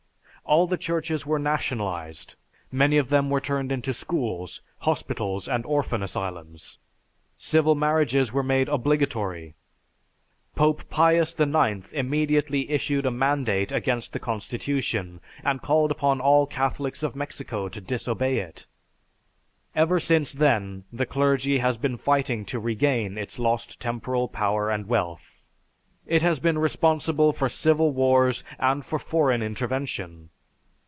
All the churches were nationalized, many of them were turned into schools, hospitals, and orphan asylums. Civil marriages were made obligatory. Pope Pius IX immediately issued a mandate against the Constitution and called upon all Catholics of Mexico to disobey it. Ever since then, the clergy has been fighting to regain its lost temporal power and wealth. It has been responsible for civil wars and for foreign intervention."